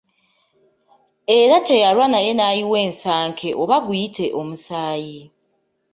Era teyalwa naye n’ayiwa ensanke oba guyite omusaayi.